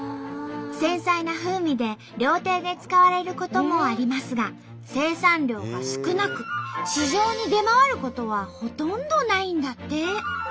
繊細な風味で料亭で使われることもありますが生産量が少なく市場に出回ることはほとんどないんだって。